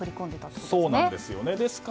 そうなんですね。